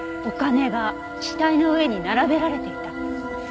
お金が死体の上に並べられていた？